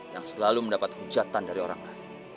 yang selalu mendapat hujatan dari orang lain